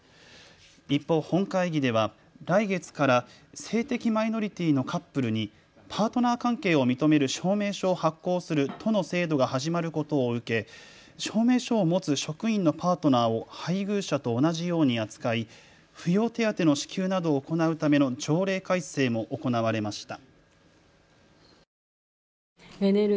一方、本会議では来月から性的マイノリティーのカップルにパートナー関係を認める証明書を発行する都の制度が始まることを受け、証明書を持つ職員のパートナーを配偶者と同じように扱い扶養手当の支給などを行うための条例改正も行われました。